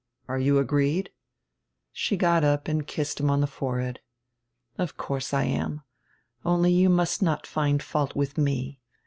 Are you agreed?" She got np and kissed him on die forehead. "Of course I am. Only you must not find fault with me.